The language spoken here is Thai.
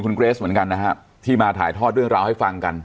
คุณเกรสเหมือนกันนะฮะที่มาถ่ายทอดเรื่องราวให้ฟังกัน